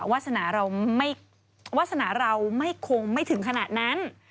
วัสนาเราไม่คงไม่ถึงขนาดนั้น